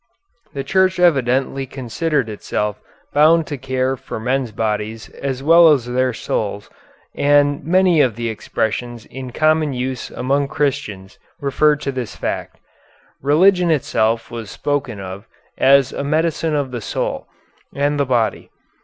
The Church evidently considered itself bound to care for men's bodies as well as their souls, and many of the expressions in common use among Christians referred to this fact. Religion itself was spoken of as a medicine of the soul and the body.